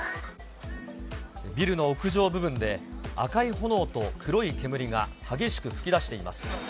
ビルの屋上部分で、赤い炎と黒い煙が激しく噴き出しています。